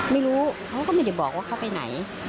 ไม่รู้เขาก็ไม่ได้บอกว่าเขาไปไหน